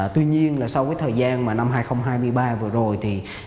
tuy nhiên sau thời gian năm hai nghìn hai mươi ba vừa rồi